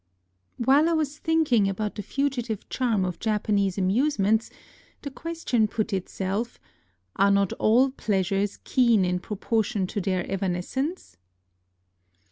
While I was thinking about the fugitive charm of Japanese amusements, the question put itself. Are not all pleasures keen in pro portion to their evanescence